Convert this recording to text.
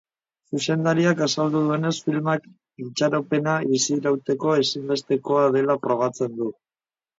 Zuzendariak azaldu duenez filmak itxaropena bizirauteko ezinbestekoa dela frogatzen du.